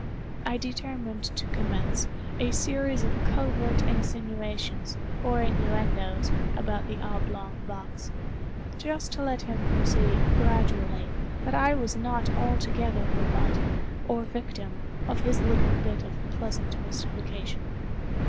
I determined to commence a series of covert insinuations, or innuendoes, about the oblong box—just to let him perceive, gradually, that I was not altogether the butt, or victim, of his little bit of pleasant mystification.